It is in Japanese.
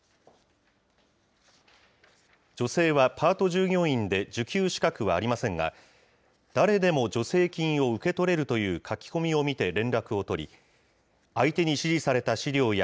女性はパート従業員で受給資格はありませんが、誰でも助成金を受け取れるという書き込みを見て連絡を取り、相手に指示された資料や、